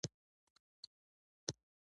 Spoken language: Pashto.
• ته د زړګي مېلمانه نه، اوسېدونکې یې.